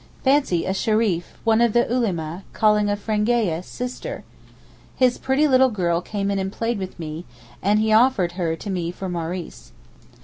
Fancy a Shereef, one of the Ulema, calling a Frengeeyeh 'sister'! His pretty little girl came in and played with me, and he offered her to me for Maurice.